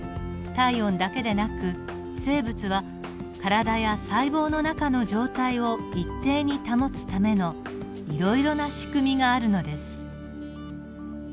体温だけでなく生物は体や細胞の中の状態を一定に保つためのいろいろな仕組みがあるのです。